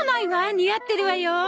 似合ってるわよ。